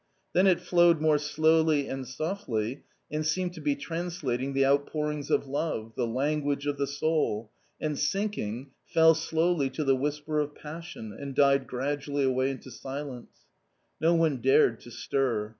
Then it flowed more slowly and softly, and seemed to be translating the outpourings of love, the language of the soul, and, sinking, fell slowly to the whisper of passion and died gradually away into silence No one dared to stir.